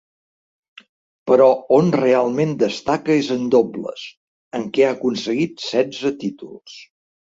Però on realment destaca és en dobles, en què ha aconseguit setze títols.